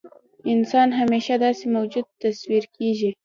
انسان همیشه داسې موجود تصور کېږي.